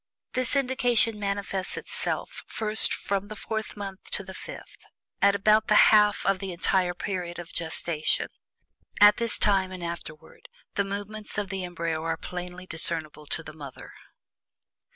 This indication manifests first from the fourth month to the fifth at about the exact half of the entire period of gestation. At this time, and afterward, the movements of the embryo are plainly discernable to the mother.